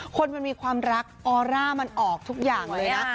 คนมันมีความรักออร่ามันออกทุกอย่างเลยนะ